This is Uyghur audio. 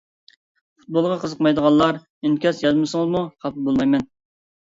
پۇتبولغا قىزىقمايدىغانلار ئىنكاس يازمىسىڭىزمۇ خاپا بولمايمەن.